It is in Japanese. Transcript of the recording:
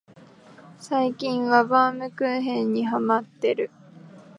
最近はバウムクーヘンにハマってる